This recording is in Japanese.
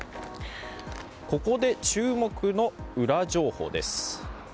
ここで注目のウラ情報です。